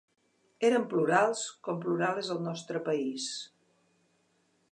Érem plurals com plural és el nostre país.